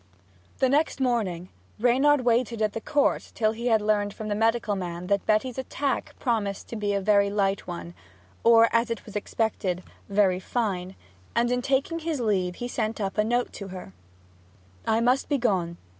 The next morning Reynard waited at the Court till he had learnt from the medical man that Betty's attack promised to be a very light one or, as it was expressed, 'very fine'; and in taking his leave sent up a note to her: 'Now I must be Gone.